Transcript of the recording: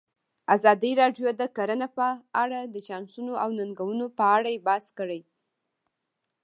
ازادي راډیو د کرهنه په اړه د چانسونو او ننګونو په اړه بحث کړی.